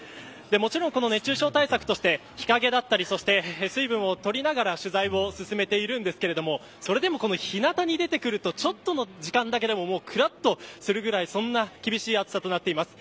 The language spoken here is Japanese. もちろん熱中症対策として日陰だったり、水分を取りながら取材を進めているんですけれどもそれでも、日なたに出てくるとちょっとの時間だけでもくらっとするくらいそんな厳しい暑さとなっています。